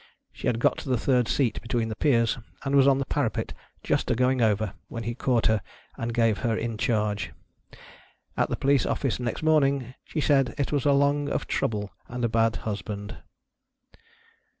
She had got to the third seat between the piers, and was on the parapet just a going over, when he caught her and gave her in charge. At the police office next morning, she said it was along of trouble and a bad husband.